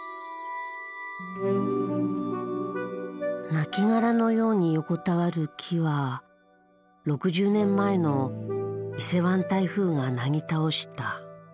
なきがらのように横たわる木は６０年前の伊勢湾台風がなぎ倒した。